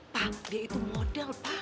pak dia itu model pak